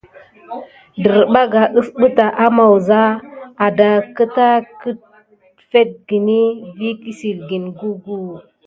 Derɓaga usɓeta ama wuza, adahek keta kəfekgeni vi kəsilgen gugu ə.